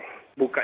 ini bukan turnamen